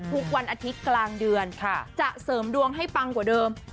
ทุกวันอาทิตย์กลางเดือนจะเสริมดวงให้ปังกว่าเดิม